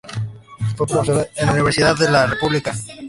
Fue profesor en la Universidad de la República.